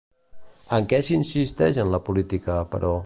En què s'insisteix des de la política, però?